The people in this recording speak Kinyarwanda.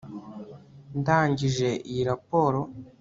Ndangije iyi raporo